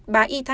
bà y thay